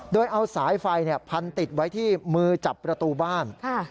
โดยเอาสายไฟพันติดไว้ที่มือจับประตูบ้าน